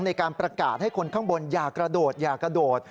ในการประกาศให้คนข้างบนอย่ากระโดดอย่ากระโดด